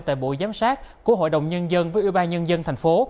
sáng sát của hội đồng nhân dân với ưu ba nhân dân thành phố